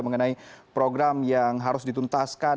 mengenai program yang harus dituntaskan